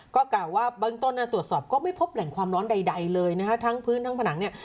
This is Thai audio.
ก็กล่าวว่าเบื้องต้นตรวจสอบก็ไม่พบแหล่งความร้อนใดเลยนะคะทั้งพื้นทั้งผนังเนี่ย